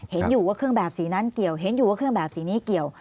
เห็นอยู่ว่าเครื่องแบบสีนั้นเกี่ยวเห็นอยู่ว่าเครื่องแบบสีนี้เกี่ยว